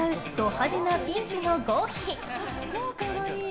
派手なピンクの合皮！